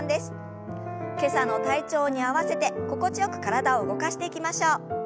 今朝の体調に合わせて心地よく体を動かしていきましょう。